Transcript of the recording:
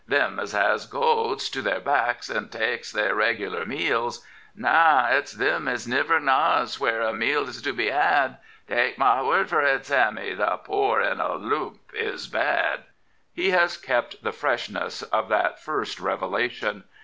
Them as has cooats to their backs and taakes their regular mee^s : Naw, it's them as niwer knaHws wheer a meelU's to be had — Taake my word for it. Sammy, the poor in a loomp is bad. 84 James Keir Hardie He has kept the freshness of that first revelation.